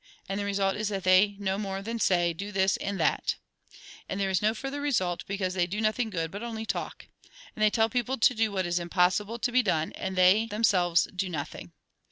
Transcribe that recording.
And the result is that they no more than say :' Do this and that.' And there is no further result, because they do nothing good, but only talk. And they tell people to do what is impossible to be done, and they themselves do nothing.